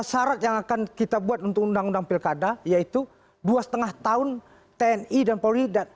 syarat yang akan kita buat untuk undang undang pilkada yaitu dua lima tahun tni dan polri